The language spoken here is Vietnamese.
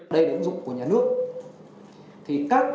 đây là ứng dụng của nhà nước